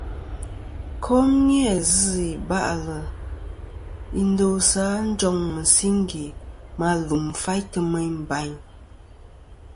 Kom ni-a zɨ̀ iba'lɨ i ndosɨ a njoŋ mɨsingè ma lum faytɨ meyn bayn.